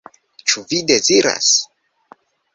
Ĉu vi deziras?